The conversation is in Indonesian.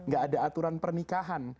gak ada aturan pernikahan